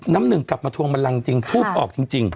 น้ำหนึ่งกลับมาทวงบันลังจริงพูดออกจริง